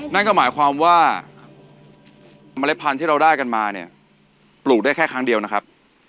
นั่นก็หมายความว่าเมล็ดพันธุ์ที่เราได้กันมาเนี่ยปลูกได้แค่ครั้งเดียวนะครับ